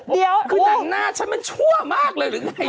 เดี๋ยวคือหนังหน้าฉันมันชั่วมากเลยหรือไง